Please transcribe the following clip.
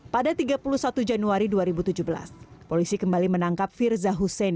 pada tiga puluh satu januari dua ribu tujuh belas polisi kembali menangkap firza husein